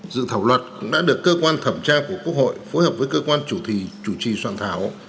dự thảo luật đã được cơ quan thẩm tra của quốc hội phối hợp với cơ quan chủ trì soạn thảo